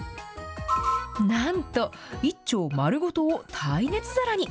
なんと１丁まるごとを耐熱皿に。